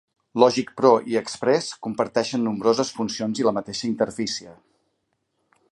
Logic Pro i Express comparteixen nombroses funcions i la mateixa interfície.